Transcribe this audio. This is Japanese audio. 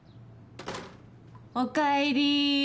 おかえり。